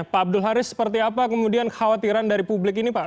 pak abdul haris seperti apa kemudian kekhawatiran dari publik ini pak